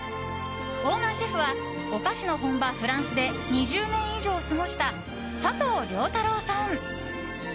オーナーシェフはお菓子の本場フランスで２０年以上過ごした佐藤亮太郎さん。